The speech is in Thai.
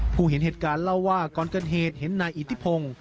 เห็นเหตุการณ์เล่าว่าก่อนเกิดเหตุเห็นนายอิทธิพงศ์